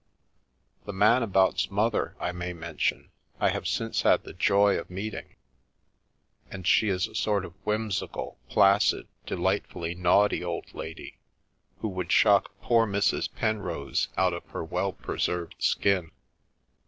The Man about's mother, I may mention, I have since had the joy of meeting, and she is the sort of whimsical, placid, delightfully naughty old lady who would shock poor Mrs. Penrose out of her well preserved skin.